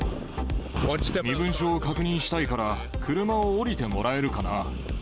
身分証を確認したいから、車を降りてもらえるかな。